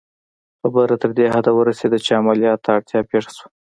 خبره تر دې حده ورسېده چې عملیات ته اړتیا پېښه شوه